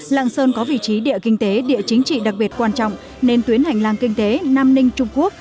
lạng sơn có vị trí địa kinh tế địa chính trị đặc biệt quan trọng nên tuyến hành lang kinh tế nam ninh trung quốc